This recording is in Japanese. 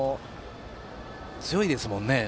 強いですものね。